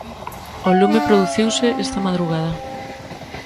O lume produciuse esta madrugada.